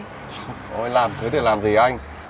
thôi làm thế thì làm gì anh